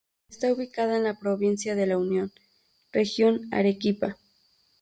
Esta ubicada en la provincia de La Unión, región Arequipa.